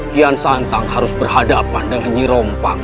kian santang harus berhadapan dengan nyirompang